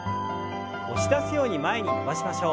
押し出すように前に伸ばしましょう。